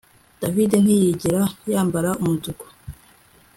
David ntiyigera yambara umutuku